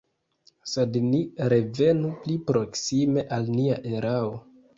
Sed ni revenu pli proksime al nia erao.